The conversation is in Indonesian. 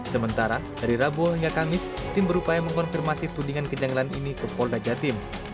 sementara dari rabu hingga kamis tim berupaya mengkonfirmasi tudingan kenyanggelan ini ke pol dajatim